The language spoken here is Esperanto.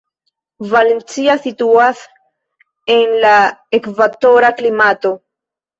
Valencia situas en la ekvatora klimato.